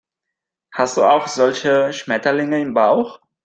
Hast du auch solche Schmetterlinge im Bauch?